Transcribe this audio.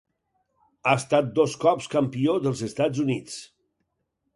Ha estat dos cops Campió dels Estats Units.